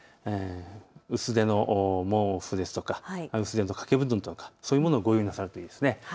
薄手の毛布ですとか、薄手の掛け布団とか、そういうものをご用意されるといいですね。